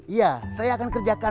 iya saya akan kerjakan